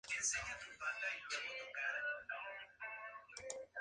Fueron sus directores Vicente Palomares Melo y luego Jorge Bayona Url.